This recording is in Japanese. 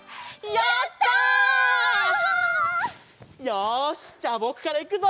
よしじゃぼくからいくぞ！